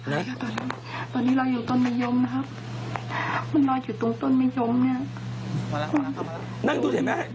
ไหนคลิป